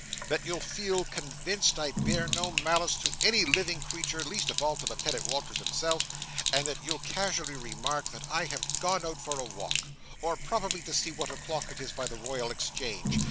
That you'll feel convinced I bear no malice to any living creature least of all to Lieutenant Walters himself—and that you'll casually remark that I have gone out for a walk, or probably to see what o'clock it is by the Royal Exchange.